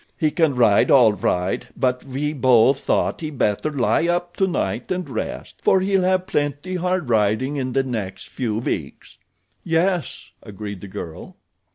"He can ride all right; but we both thought he'd better lie up tonight, and rest, for he'll have plenty hard riding in the next few weeks." "Yes," agreed the girl.